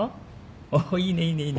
おっいいねいいね